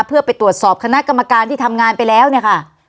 เพื่อไปตรวจสอบคณะกรรมการที่ทำงานไปแล้วเนี่ยค่ะ